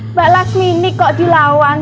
mbak lasmini kok dilawan